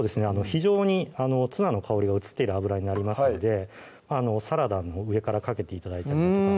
非常にツナの香りが移っている油になりますのでサラダの上からかけて頂いたりだとか